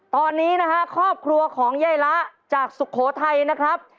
ตอนนี้นะฮะครอบครัวของยายละจากสุโขทัยนะครับ